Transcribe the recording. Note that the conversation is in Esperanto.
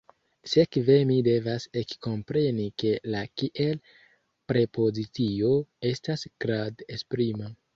Sekve mi devas ekkompreni ke la kiel-prepozicio estas grad-esprima.